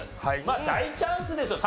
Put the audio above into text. まあ大チャンスですよ！